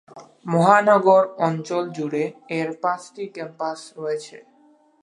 মহানগর অঞ্চল জুড়ে এর পাঁচটি ক্যাম্পাস রয়েছে।